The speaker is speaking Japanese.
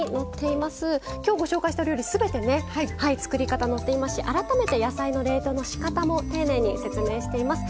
今日ご紹介した料理すべてね作り方載っていますし改めて野菜の冷凍のしかたも丁寧に説明しています。